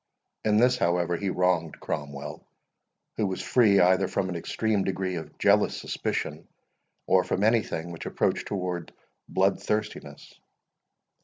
In this, however, he wronged Cromwell, who was free either from an extreme degree of jealous suspicion, or from any thing which approached towards blood thirstiness.